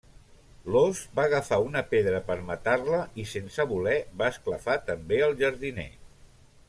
L'ós va agafar una pedra per matar-la i sense voler va esclafar també el jardiner.